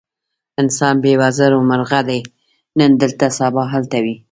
انسان بې وزرو مرغه دی، نن دلته سبا هلته وي.